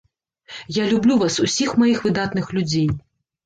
Я люблю вас усіх маіх выдатных людзей!